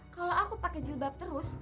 kalo aku pake jilbab terus